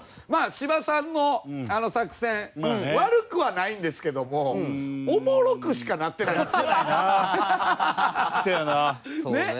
まあ芝さんのあの作戦悪くはないんですけどもおもろくしかなってなかったですね。